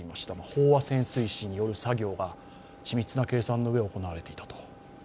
飽和潜水士による作業が緻密な計算の上、行われていたと。